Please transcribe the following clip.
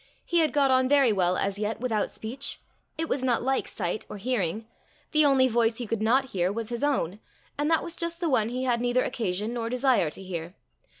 He had got on very well as yet without speech. It was not like sight or hearing. The only voice he could not hear was his own, and that was just the one he had neither occasion nor desire to hear.